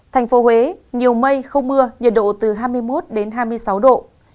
thành phố huế nhiều mây không mưa nhiệt độ từ hai mươi một hai mươi sáu độ